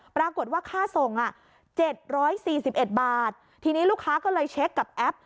ปรากฏว่าค่าส่ง๗๔๑บาททีนี้ลูกค้าก็เลยเช็คกับแอป